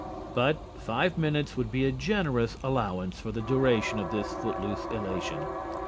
But five minutes would be a generous allowance for the duration of this foot loose elation.